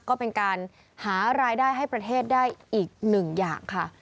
ก็เป็นการหารายได้ให้ประเทศได้อีกหนึ่งอย่างค่ะ